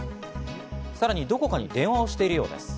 さらにどこかに電話をしているようです。